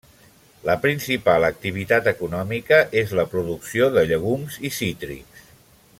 La principal activitat econòmica és la producció de llegums i cítrics.